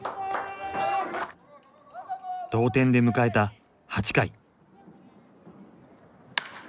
同点で迎えた８回。